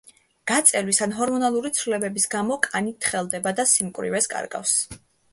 გაწელვის ან ჰორმონული ცვლილებების გამო კანი თხელდება და სიმკვრივეს კარგავს.